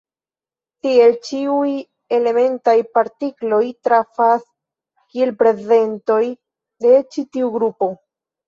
Tiel, ĉiuj elementaj partikloj trafas kiel prezentoj de ĉi tiu grupo.